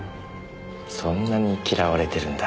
そんなに嫌われてるんだ。